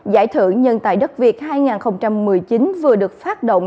giải thưởng nhân tài đất việt hai nghìn một mươi chín vừa được phát động